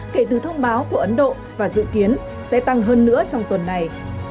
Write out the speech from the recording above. kể từ thông báo của ấn độ và dự kiến sẽ tăng hơn nữa trong tuần này